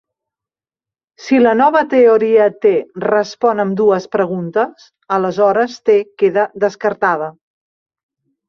Si la nova teoria T respon ambdues preguntes, aleshores T queda descartada.